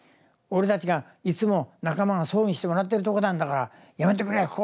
俺たちがいつも仲間が葬儀してもらってるとこなんだからやめてくれ。